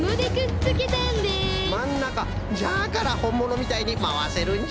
まんなかじゃからほんものみたいにまわせるんじゃ！